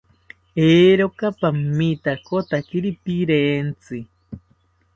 Eeroka pamitakotakiri pirentzi